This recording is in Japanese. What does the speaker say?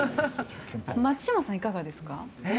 松嶋さん、いかがですか。